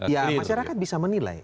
ya masyarakat bisa menilai